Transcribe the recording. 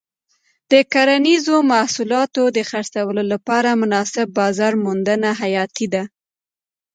د کرنیزو محصولاتو د خرڅلاو لپاره مناسب بازار موندنه حیاتي ده.